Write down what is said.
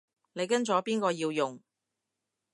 你跟咗邊個要用